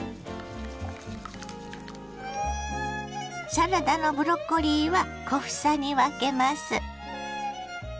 サラダのブロッコリーは小房に分けます。